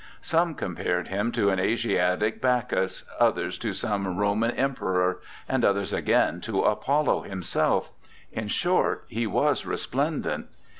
Some compared him to an Asiatic Bacchus, others to some Roman Emperor, and others again to Apollo himself, in short, he was resplendent.